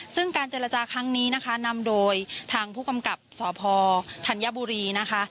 ซึ่งการเจรจาครั้งนี้นะคะนำโดยทางผู้กำกับสพธัญบุรีนะคะ